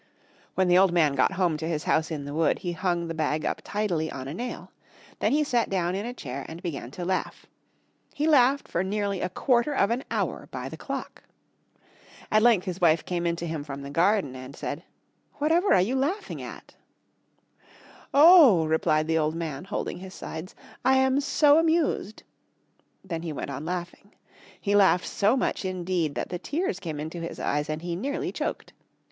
When the old man got home to his house in the wood he hung the bag up tidily on a nail. Then he sat down in a chair and began to laugh. He laughed for nearly a quarter of an hour by the clock. At length his wife came in to him from the garden and said, "Whatever are you laughing at?" [Illustration: "Whatever are you laughing at?"] "Oh," replied the old man, holding his sides, "I am so amused!" Then he went on laughing. He laughed so much indeed that the tears came into his eyes and he nearly choked.